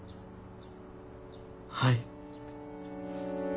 はい。